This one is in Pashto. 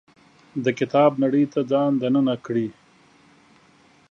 د کتاب نړۍ ته ځان دننه کړي.